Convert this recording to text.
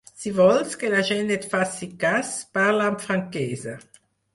Si vols que la gent et faci cas, parla amb franquesa.